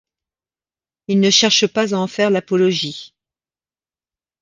Il ne cherche pas à en faire l'apologie.